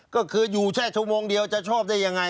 ก็คืออยู่แค่ชั่วโมงเดียวจะชอบได้ยังไง